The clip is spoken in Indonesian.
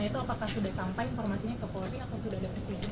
itu apakah sudah sampai informasinya ke polri atau sudah ada keseluruhan